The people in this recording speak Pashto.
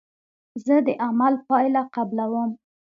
زه د عمل پایله قبلوم.